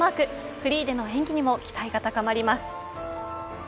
フリーでの演技にも期待が高まります。